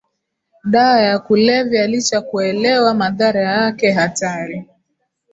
dawa ya kulevya licha ya kuelewa madhara yake hatari